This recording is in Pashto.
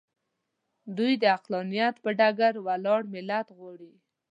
دوی د عقلانیت پر ډګر ولاړ ملت غواړي.